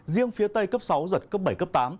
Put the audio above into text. tây tây cấp sáu giật cấp bảy cấp tám